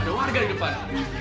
ada warga di depan